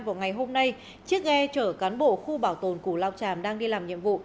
vào ngày hôm nay chiếc ghe chở cán bộ khu bảo tồn củ lao tràm đang đi làm nhiệm vụ